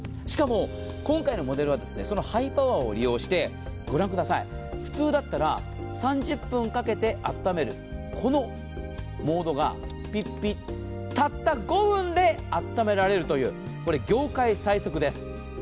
しかも今回のモデルはそのハイパワーを利用して普通だったら３０分かけてあっためる、このモードがピッピッ、たった５分であっためられるというこれ業界最速です。